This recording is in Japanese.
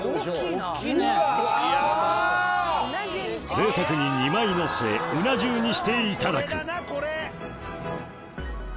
贅沢に２枚のせうな重にしていただくうん！